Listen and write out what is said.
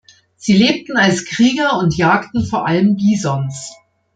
Sie lebten als Krieger und jagten vor allem Bisons.